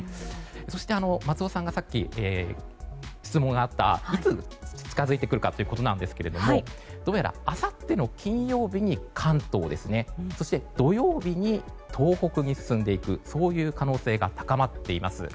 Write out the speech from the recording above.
そして、松尾さんからさっき、質問があったいつ近づいてくるかということですがどうやらあさっての金曜日に関東そして土曜日に東北に進んでいく可能性が高まっています。